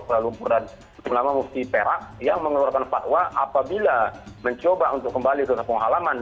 selalu berada terutama mufti perak yang mengeluarkan pakwa apabila mencoba untuk kembali ke tempat pengalaman